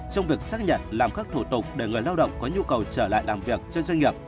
trong việc xác nhận làm các thủ tục để người lao động có nhu cầu trở lại làm việc trên doanh nghiệp